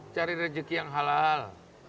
cari rezeki yang halal